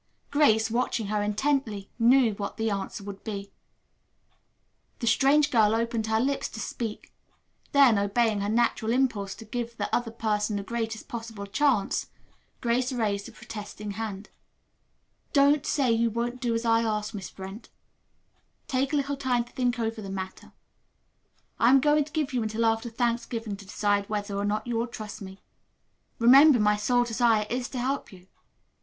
Grace, watching her intently, knew what the answer would be. The strange girl opened her lips to speak. Then, obeying her natural impulse to give the other person the greatest possible chance, Grace raised a protesting hand. "Don't say you won't do as I ask, Miss Brent. Take a little time to think over the matter. I am going to give you until after Thanksgiving to decide whether or not you will trust me. Remember my sole desire is to help you."